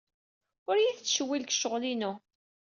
Ur iyi-ttcewwil deg ccɣel-inu.